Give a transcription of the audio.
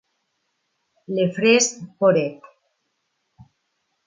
Le Fresne-Poret